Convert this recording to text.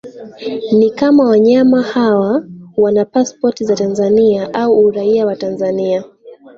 ni kama wanyama hawa wana pasipoti za Tanzania au uraia wa Tanzania